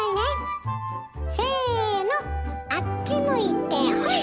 せのあっち向いてホイ！